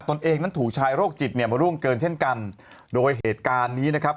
ตนเองนั้นถูกชายโรคจิตเนี่ยมาร่วงเกินเช่นกันโดยเหตุการณ์นี้นะครับ